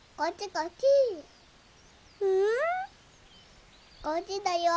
こっちだよ。